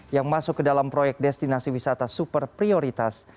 yang masuk ke dalam proyek destinasi wisata super prioritas